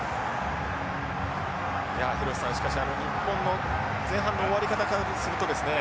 いや廣瀬さんしかし日本の前半の終わり方からするとですね